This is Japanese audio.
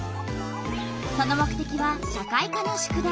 その目てきは社会科の宿題。